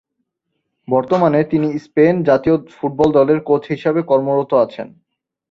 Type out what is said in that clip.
বর্তমানে তিনি স্পেন জাতীয় ফুটবল দলের কোচ হিসাবে কর্মরত আছেন।